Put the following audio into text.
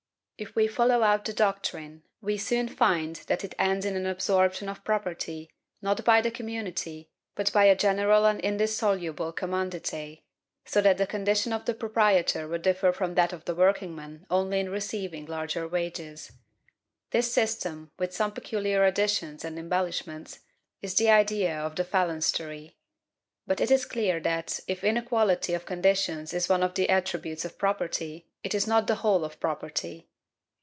If we follow out the doctrine, we soon find that it ends in an absorption of property, not by the community, but by a general and indissoluble commandite, so that the condition of the proprietor would differ from that of the workingman only in receiving larger wages. This system, with some peculiar additions and embellishments, is the idea of the phalanstery. But it is clear that, if inequality of conditions is one of the attributes of property, it is not the whole of property.